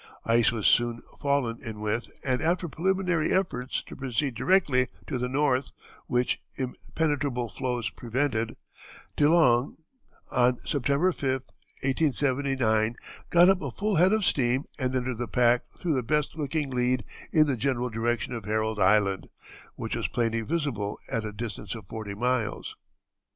Ice was soon fallen in with, and, after preliminary efforts to proceed directly to the north, which impenetrable floes prevented, De Long, on September 5, 1879, "got up a full head of steam and entered the pack through the best looking lead in the general direction of Herald Island," which was plainly visible at a distance of forty miles.